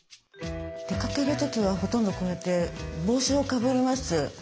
出かける時はほとんどこうやって帽子をかぶります。